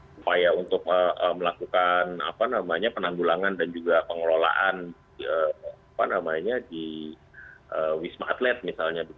supaya untuk melakukan penanggulangan dan juga pengelolaan di wisma atlet misalnya